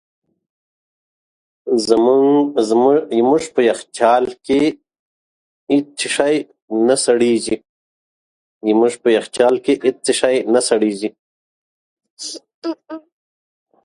Another argument that Shohat makes is that Israel is already demographically an Arab country.